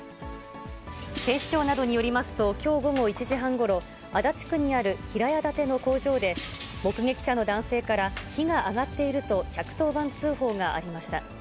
警視庁などによりますと、きょう午後１時半ごろ、足立区にある平屋建ての工場で、目撃者の男性から火が上がっていると１１０番通報がありました。